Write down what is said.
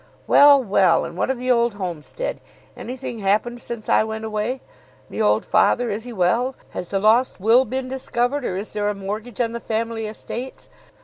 Well, well! And what of the old homestead? Anything happened since I went away? Me old father, is he well? Has the lost will been discovered, or is there a mortgage on the family estates?